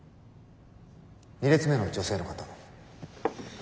２列目の女性の方。